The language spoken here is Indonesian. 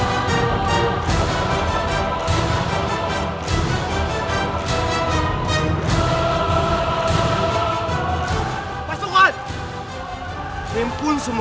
ayuh cepat antarkan aku